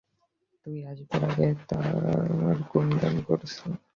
তুই আসবার আগেই তোর গুণগান করছিল।